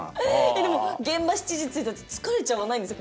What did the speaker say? でも現場７時着いたら疲れちゃわないんですか？